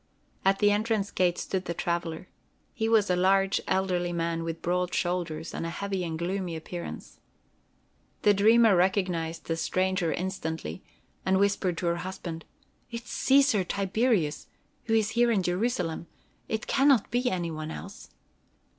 At the entrance gate stood the traveler. He was a large elderly man with broad shoulders and a heavy and gloomy appearance. The dreamer recognized the stranger instantly, and whispered to her husband: "It is Cæsar Tiberius, who is here in Jerusalem. It can not be any one else."